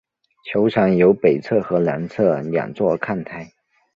球场有北侧和南侧两座看台。